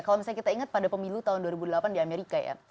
kalau misalnya kita ingat pada pemilu tahun dua ribu delapan di amerika ya